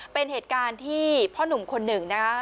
เป็นเหตุการณ์ที่พ่อหนุ่มคนหนึ่งนะคะ